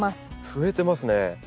増えてますね！